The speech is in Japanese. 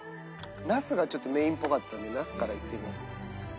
ナスがメインっぽかったんでナスからいってみます。